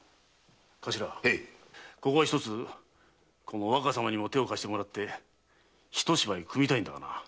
ここはひとつこの若さまにも手を貸してもらってひと芝居組みたいんだがな。